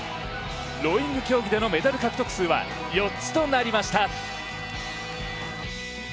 ローイング競技でのメダル獲得数は４つとなりました。